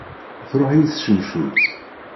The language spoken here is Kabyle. Truḥ-iyi tcencult.